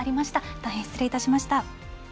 大変失礼いたしました。